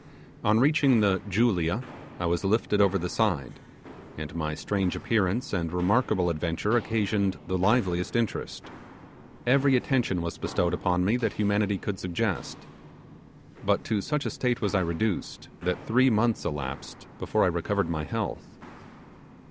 On reaching the 'Julia' I was lifted over the side, and my strange appearance and remarkable adventure occasioned the liveliest interest. Every attention was bestowed upon me that humanity could suggest. But to such a state was I reduced, that three months elapsed before I recovered my health.